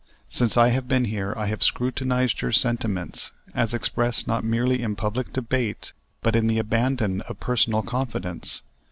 Since I have been here I have scrutinized your sentiments, as expressed not merely in public debate, but in the abandon of personal confidence.